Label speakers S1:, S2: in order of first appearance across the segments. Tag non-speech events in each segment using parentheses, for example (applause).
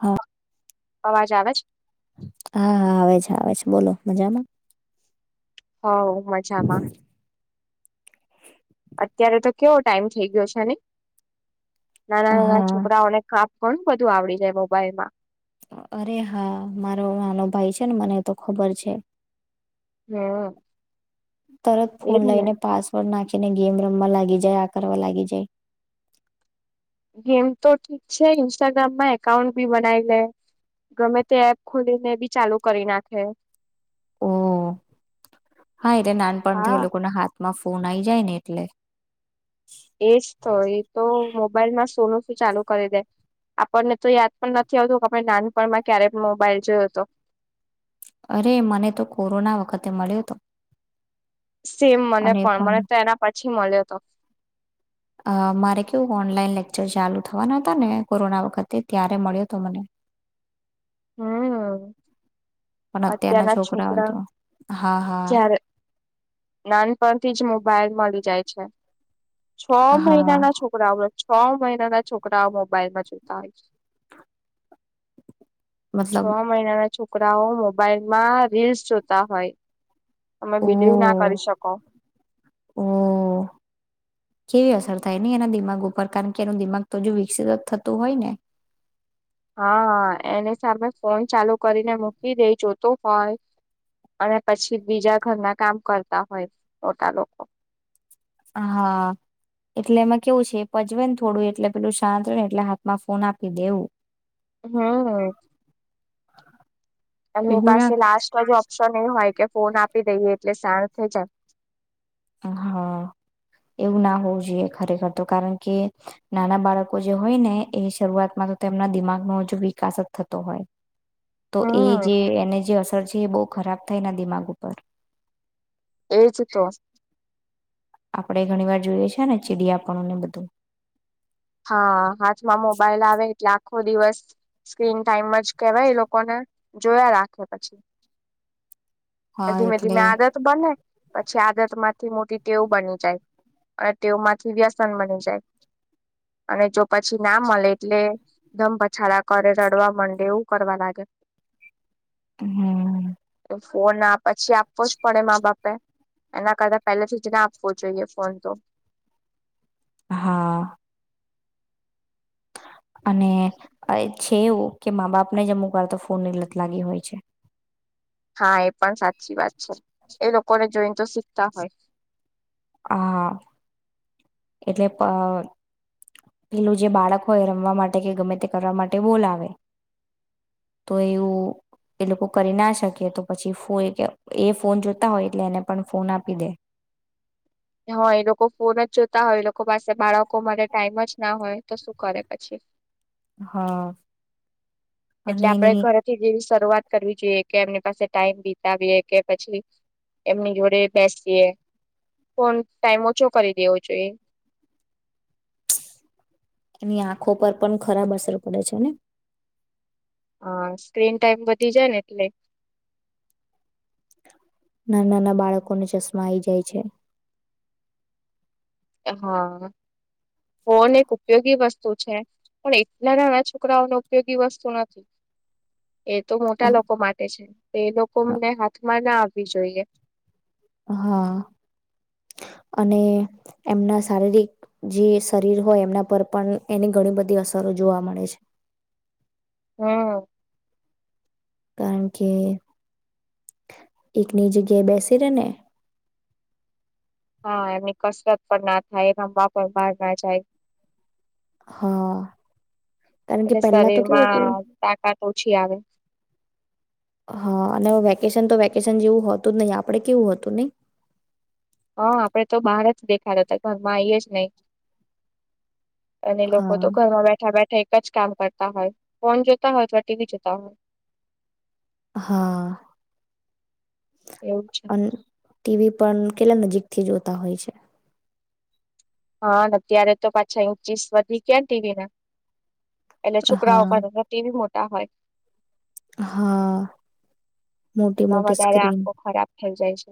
S1: હા.
S2: અવાજ આવે છે?
S1: હા, હા, આવે છે, આવે છે, બોલો મજામાં?
S2: હ મજામાં. અત્યારે તો કેવો ટાઈમ થઇ ગયો છે ને. નાના નાના
S1: હા
S2: છોકરાઓને કાપ ઘણું બધું આવડી જાય મોબાઈલ માં
S1: અરે હા મારો નાનો ભાઈ છે ને મને તો ખબર છે.
S2: હમ
S1: તરત
S2: એજ
S1: ફોન
S2: ને
S1: લઈને પાસવર્ડ નાખી. તેને ગેમ રમવા લાગી જાય આ કરવા લાગી જાય.
S2: ગેમ તો ઠીક છે ઇન્સ્ટાગ્રામમાં એકાઉન્ટ બી બનાવી લે ગમે તે એપ ખોલીને બી ચાલુ કરી નાખે.
S1: ઓ હા એટલે નાનપણથી
S2: હા
S1: એ લોકોના હાથ માં ફોન આવીઈ જાય ને એટલે.
S2: એજ તો એ તો મોબાઈલમાં સોનો ચાલુ કરી દે આપણને તો યાદ પણ નથી આવતું કે આપણે નાનપણમાં ક્યારે મોબાઈલ જોયો હતો.
S1: અરે મને તો કોરોના વખતે મળ્યો હતો.
S2: સેમ મને પણ મને તો એના પછી મળ્યો હતો.
S1: અ મારે કેવું ઓનલાઈન લેક્ચર ચાલુ થવાના હતા ને કોરોના વખતે ત્યારે મળ્યો તો મને.
S2: હમ
S1: પણ અત્યારના છોકરાઓ તો હા હા.
S2: જ્યારે નાનપણથી જ મોબાઈલ મળી જાય છે. છ મહિના
S1: હા
S2: ના છોકરા આવડ છ મહિના નાના છોકરાઓ મોબાઈલમાં જોતા હોય છે. છ
S1: મતલબ
S2: મહિના ના છુ. છોકરાઓ મોબાઈલમાં રીલ્સ જોતા હોય. અમે બી દેવું
S1: હ
S2: નાખ
S1: હમ. કેવી અસર થાય નને એના દિમાગ ઉપર કારણ કે એનું દિમાગ તો હજુ વિકસિત થતું હોય ને.
S2: હા એની સામે ફોન ચાલુ કરીને મૂકી દે જોતો હોય અને પછી બીજા ઘરના કામ કરતા હોય મોટા લોકો
S1: હા એટલે એમાં કેવું છે પજવેને થોડું એટલે પેલું શાંત ને એટલે હાથમાં ફોન આપી દેવું.
S2: હા એમની
S1: એવું એવું
S2: પાસે
S1: ના
S2: લાસ્ટ જ ઓપ્શન એ હોય કે ફોન આપી દઈએ એટલે સારું થ જાય.
S1: હા એવું ના હોવું જોઈએ ખરેખર તો કારણ કે નાના બાળકો જે હોય ને એ શરૂઆતમાં તો તેમના દિમાગનો હજુ વિકાસ જ થતો હોય. તો એ
S2: હમ
S1: જે એને જે અસર છે એ બહુ ખરાબ. થઈ ના દિમાગ ઉપર
S2: એજ તો
S1: આપણે ઘણી વાર જોઈએ છે ને ચીડીયાપણ ને બધું
S2: હા, હાથમાં મોબાઈલ આવે એટલા ખો દિવસ સ્ક્રીન ટાઈમ અજ કેવાય એ લોકોને જોયા રાખે પછી. પર
S1: હા
S2: ધીમે
S1: એટલે
S2: ધીમે આદત બને પછી આદત માંથી મોટી ટેવ બની જાય અને ટેવ માંથી વ્યસન બની જાય. અને ચો પછી ના મલે એટલે દમ પછાડા કરે રડવા માંડે એવું કરવા લાગે.
S1: હમ્મ.
S2: તો ફોન આ પછી આપવો જ પડે મા બાપે. એના કરતા પહેલા સુધી ના આપવો જોઈએ ફોન તો.
S1: હા. અને અએ છે એવું કે મા બાપ ને જ અમુક વા તો ફોન ની લત લાગી હોય છે.
S2: હા, એ પણ સાચ અછી વાત છે એ લોકો કર જયંત શીખતા હો.
S1: હા. એટલે પેલું જે બાળક હોય રમવા માટે કે ગમે તે કરવા માટે બોલ આવે તો એવું એ લોકો કરી ના શકે તો પછી એ ફોન જોતા હોય એટલે એને પણ ફોન આપી દે
S2: હ એ લોકો ફોન જ જોતા હોય એ લોકો પાસે બાળકો મરે ટાઈમ જ ના હોય તો શું કરે પછી.
S1: હા.
S2: એટલે
S1: અને
S2: આપડે
S1: એની
S2: ઘરે થી જવી શઆત કરવી જોઈએ કે એમની પાસે ટાઈમ બતાવીએ કે પછી એમની જોડે બેસીએ ટાઈમ ઓછો કરી દેવો જોઈએ.
S1: ની આંખો પર પણ ખરાબ અસર પડે છે ને.
S2: હ સ્ક્રીન ટાઈમ વધી જાયને એટલે
S1: ના નાના બાળકોને ચશ્મા આઈ જાય છે.
S2: હા ફોન એક ઉપયોગી વસ્તુ છે પણ એટલા નાના છોકરાઓનો ઉપયોગી વસ્તુ નથી. તો મોટા લોકો માટે છે. એ લોકો અમને હાથમાં ના આવવી જોઈએ.
S1: હા અને એમના શારીરિક જે શરીર હોય એમના પર પણ એની ઘણી બધી અસરો જોવા મળે છે.
S2: હમ
S1: કારણ કે એકની જગ્યાએ બેસી રે ને
S2: હા એમની કસરત પણ ના થાય રમવા પણ બહાર ના જાય.
S1: હા કારણ કે
S2: એટલે
S1: પહેલા તો કેવું હતું.
S2: શરીરમાં તાકાત ઓછી આવે
S1: હા અને વેકેશન તો વેકેશન જેવું હો હતું જ નહ આપડે કેવું હતું નહી.
S2: હા, આપડે તો બહાર જ દેખાડે હતા ઘરમાં આઈ એજ નહી. અને લોકો તો
S1: હા
S2: ઘરમાં બેઠા બેઠા જ કામ કરતા હોય ફોન જોતા હોય અથવા ટી વી જોતા હોય.
S1: હા.
S2: એવું છે.
S1: ટી વી પણ કેટલા નજીક થી જોતા હોય છે.
S2: હા, અત્યારે તો પાછા યુ ચીસ વધી ગયા ના ટવી ના. એટલે છોકરાઓ
S1: હા
S2: પાછા ટી વી માં તા હોય.
S1: હા, મોટી
S2: એમાં
S1: મોટી
S2: વધારે
S1: સ્ક્રીન.
S2: આંખો ખરાબ થઈ જાય છે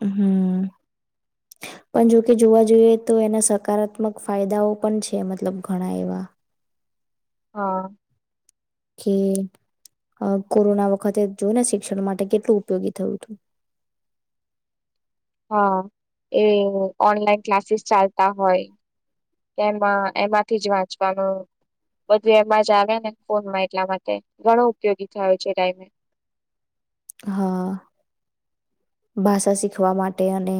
S1: હમ્મ. પણ જોકે જોવા જોઈએ તો એના સકારાત્મક ફાયદાઓ પણ છે મતલબ ઘણા એવા.
S2: હા.
S1: કે અહ કોરોના વખતે જોયને શિક્ષણ માટે કેટલું ઉપયોગી થયું તું.
S2: હા, એ ઓનલાઈન ક્લાસીસ ચાલતા હોય. તેમાં એમાંથી જ વાંચવાનું બધું એમાં જ આવે ને ફોનમાં એટલા માટે ઘણો ઉપયોગી થયો છે એ ટાઈમે.
S1: હા, ભાષા શીખવા માટે અને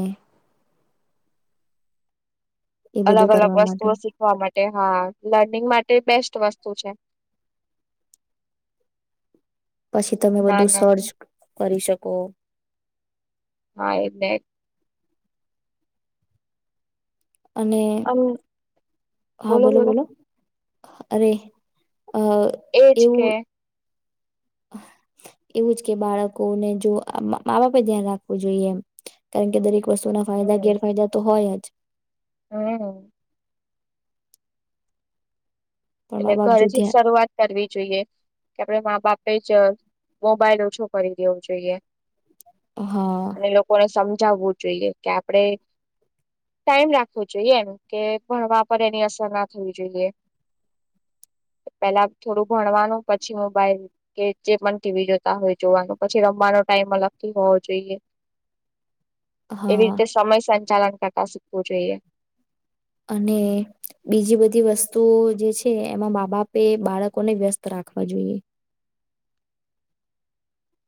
S1: એ
S2: અલગ
S1: બધું
S2: અલગ
S1: કરવા માટે
S2: વસ્તુઓ શીખવા માટે હા લર્નિંગ માટ ટે બેસ્ટ વસ્તુ છે.
S1: પછી તમે
S2: ના
S1: બધું
S2: ના
S1: સર્ચ કરી શકો.
S2: હા એલે
S1: અને
S2: આમ
S1: હા બોલો બોલો અરે અ
S2: એજ કે
S1: એવું એવું જ કે બાળકોને જો મા બાપે ધ્યાન રાખવું જોઈએ એમ કારણ કે દરેક વસ્તુ ના ફાયદા
S2: હમ
S1: ગેરફાયદા તો હોય જ.
S2: હમ
S1: પણ
S2: એટલે
S1: મા બાપ જો
S2: ઘરથી જ
S1: ધ્યાન
S2: શરૂઆત કરવી જોઈએ કે આપડે મા બાપ પીચર્ મોબાઈલ ઓછો કરી દેવું જોઈએ.
S1: હા
S2: અને લોકોને સમજ જવું જોઈએ કે આપણે ટાઈમ રાખવો જોઈએ એમ કે ભણવા પર એની અસર ના થવી જોઈએ. પેલા થોડું ભણવાનું પછી મોબાઈલ કે જે પણ ટીવી જોતા હોય જોવાનું પછી રમવાનો ટાઈમ અલગથી હોવો જોઈએ. એવી
S1: હા
S2: રીતે સમય સાજ ચાલન કકાસિકવ જોઈએ.
S1: અને બીજી બધી વસ્તુઓ જે છે એમાં બા બાપે બાળકોને વ્યસ્ત રાખવા જોઈએ.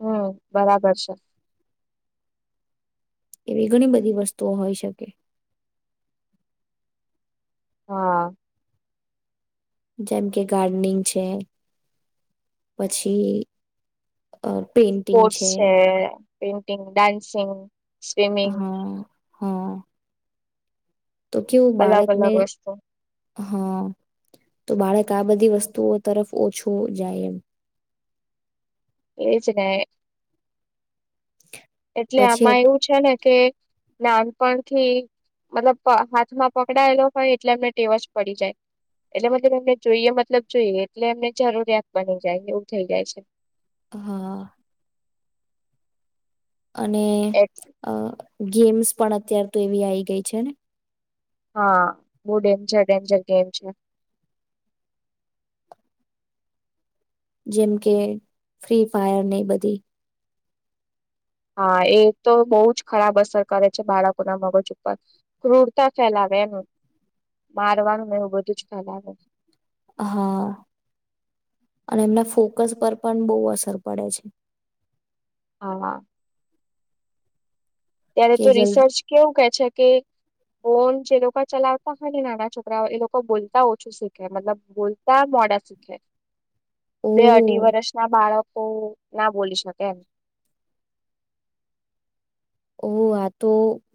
S2: હમ બરાબર છે.
S1: એવી ઘણી બધી વસ્તુઓ હોઈ શકે.
S2: હા
S1: જેમ કે ગાર્ડનિંગ છે પછી અ પેઇન્ટિંગ
S2: સ્પોર્ટસ છે. પેઇન્ટિંગ, ડાન્સિંગ સ્વિમિંગ
S1: હા હા. તો કેવું
S2: અલગ
S1: બાળકને
S2: અલગ વસ્તુ
S1: હા તો બાળક તા આ બધી વસ્તુઓ તરફ ઓછું જાય એમ.
S2: એજ ને એટલે
S1: પછી અત
S2: આમાં એવું છે ને કે નાનપણથી મતલબ પ હાથમાં પકડાયેલો હોય એટલે એમને ટેવ જ પડી જાય એટલે મતલબ એમને જોઈએ મતલબ જોઈએ એટલે એમને જરૂરિયાત બની જાય એવું થઇ જાય છે.
S1: હા. અને
S2: એટ
S1: અહ ગેમ્સ પણ અત્યાર તો એવી આઈ ગઈ છે ને?
S2: હા, બહુ ડેન્જર ડેન્જર ગેમ છે.
S1: જેમ કે ફ્રી ફાયર ને એ બધી.
S2: હા, એ તો બહુ જ ખરાબ અસર કરે છે બાળકો ના મગજ ઉપર ક્રુરતા ફેલાવે એનું મારવાનુંને એવું બધું જ ફેલાવે.
S1: હા, અને એમના ફોકસ પર પણ બહુ અસર પડે છે.
S2: હા. ત્યારે
S1: કે
S2: તો
S1: જલ્દી
S2: રિસર્ચ કેવું કે છે કે ફોન જે લોકો ચલાવતા હોય ને નાના છોકરાઓ એ લોકો બોલતા ઓછું શીખે મતલબ બોલતા મોડા શીખે.
S1: ઓ
S2: બે અઢી વર્ષ ના બાળકો તો ના બોલી શકે એમ.
S1: ઓ આ તો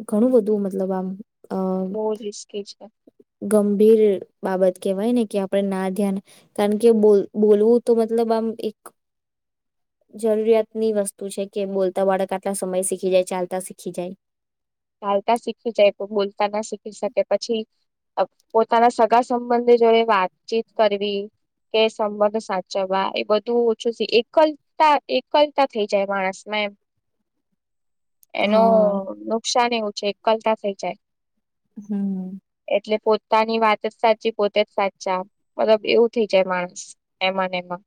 S1: ઘણું બધું મતલબ આમ. અ
S2: મો રસ કે જ
S1: ગંભીર બાબત કેહેવાય ને કે આપડણે ના ધ્યાન કારણ કે બોલવું તો મતલબ આમ એક જરૂરિયાતની વસ્તુ છે કે બોલતા બાળક આટલા સમય શીખી જાય ચાલતા શીખી જાય.
S2: ચાલતા શીખી જાય બોલતા ના શીખી શકે પછી પોતાના સગા સંબંધ જોડે વાતચીત કરવી કે સંબંધ સાચવવા એ બધું ઓછું એકલતા એકલતા થઈ જાય માણસમાં એમ એનો
S1: હા
S2: એવું છે એકલતા થઈ જાય.
S1: હમ
S2: એટલે પોતાની વાત જ સાચી પોતે જ સાચા મતલબ એવું થઈ જાય માણસ એમાંને એમાં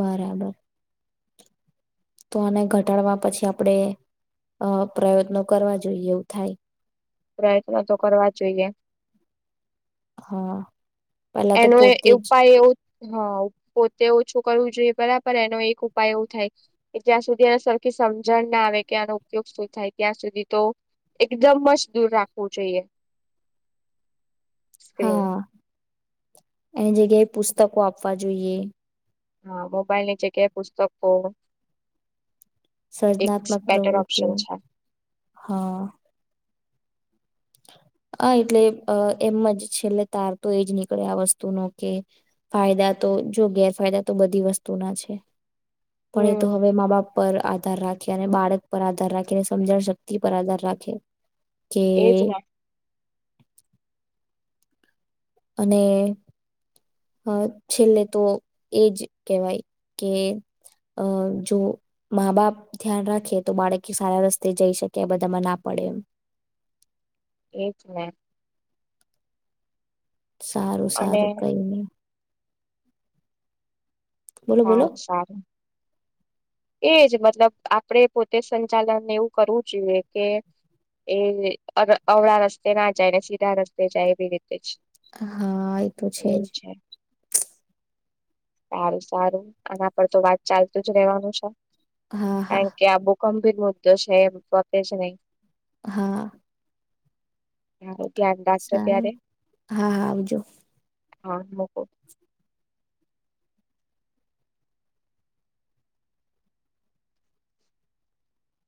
S1: બરાબર તો આને ઘટાડવા પછી આપણેે અ પ્રયત્નો કરવા જોઈએ એવું થાય.
S2: પ્રયત્ન તો કરવા જ જોઈએ.
S1: હા પેલા તો
S2: એનો
S1: પોતે જ
S2: ઉપાય એવ હ પોતે ઓછું કરવું. જોએ બરાબર એનો એક ઉપાય એવું થાય કે જ્યાં સુધી એ સરખી સમજણ ના આવે કે આનો ઉપયોગ શું થાય ત્યાં સુધી તો એકદમ જ દૂર રાખવું જોઈએ. સ્ક્રીન
S1: હા એની જગ્યાએ પુસ્તકો આપવા જોઈએ.
S2: હા મોબાઈલની જગ્યાએ પુસ્તકો એક
S1: સર્જનાત્મક
S2: બેટર
S1: પ્રવૃતિઓ
S2: ઓપ્શન છે
S1: હા. હ એટલે એમ જ છેલ્લે તાર તો એજ નીકળે આ વસ્તુનો કે ફાયદા તો જો ગેરફાયદા તો બધી વસ્તુના છે. પણ એ તો
S2: હમ
S1: હવે મા બાપ પર આધાર રાખે અને બાળક પર આધાર રાખે અને સમજણ શક્તિ પર આધાર રાખે. કે
S2: એજમાં
S1: અને છેલ્લે તો એજ કહેવાય કે જો મા બાપ ધ્યાન રાખે તો બાળક સારા રસ્તે જઈ શકે બધામાં ના પડે એ
S2: એ જ ને,
S1: સારું
S2: અને
S1: સારું કઈ નઈ. બોલો બોલો
S2: સારું સારું! એજ મતલબ આપડે પોતે સંચાલન એવું કરવું જોઈએ, કે એ અવળા રસ્તે ના જાય ને સીધા રસ્તે જાય. એવી રીતે જ
S1: હા એ તો છે જ
S2: સારું સારું આના પર તો વાત ચાલતું જ રેવાનું છે. હ
S1: હા હા
S2: કારણ કે આ ભૂકંપ (unintelligible) ગભ મુદ છે પતે છે નહી
S1: હા!
S2: હમ!
S1: સારું, હા હા આવજો
S2: હા!